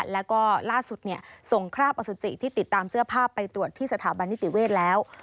แล้วก็ล่าสุดเนี่ยส่งคลาสอบไปตรวจที่สถาบันนิตย์เวศแล้ว